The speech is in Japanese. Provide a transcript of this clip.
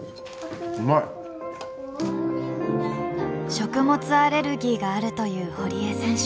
食物アレルギーがあるという堀江選手。